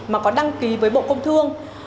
mà có đăng ký với bộ công thương